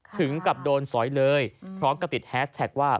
ถึงกับโดนสอยเลยพร้อมกับติดแฮสแท็กว่า